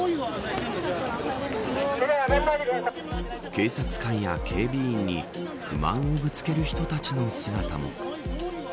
警察官や警備員に不満をぶつける人たちの姿も。